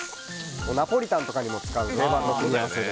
ナポリタンとかにも使う定番の組み合わせで。